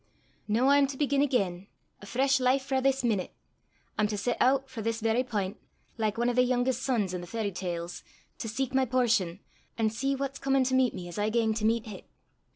"Noo I'm to begin again a fresh life frae this meenute! I'm to set oot frae this verra p'int, like ane o' the yoongest sons i' the fairy tales, to seek my portion, an' see what's comin' to meet me as I gang to meet hit.